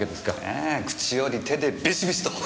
ええ口より手でビシビシと。